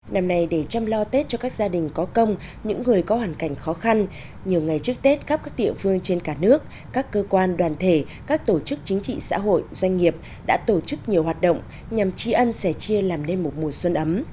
năm nay để chăm lo tết cho các gia đình có công những người có hoàn cảnh khó khăn nhiều ngày trước tết khắp các địa phương trên cả nước các cơ quan đoàn thể các tổ chức chính trị xã hội doanh nghiệp đã tổ chức nhiều hoạt động nhằm tri ân sẻ chia làm nên một mùa xuân ấm